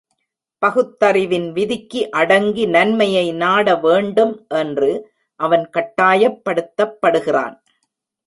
பகுத்தறிவின் விதிக்கு அடங்கி நன்மையை நாட வேண்டும் என்று அவன் கட்டாயப் படுத்தப்படுகிறான்.